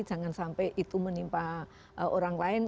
jangan sampai itu menimpa orang lain